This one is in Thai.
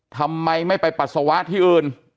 ทำไมไม่ไปปัสสาวะที่อื่น